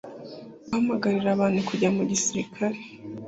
Guhamagarira abantu kujya mu gisirikare